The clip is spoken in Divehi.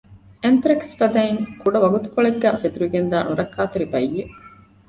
އެންތުރެކްސް ފަދައިން ކުޑަ ވަގުތުކޮޅެއްގައި ފެތުރިގެންދާ ނުރައްކާތެރި ބައްޔެއް